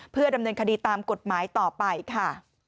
เพื่อดำเนินคดีตามกฎหมายต่อไปค่ะ